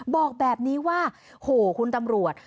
บอกแบบนี้ว่าโหคุณตำรวจ